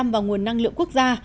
vào nguồn năng lượng quốc gia